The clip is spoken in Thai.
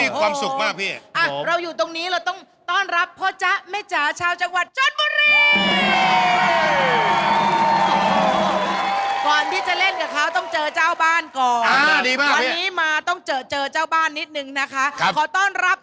กุ้งทอดปูทอดเป็นใครครับ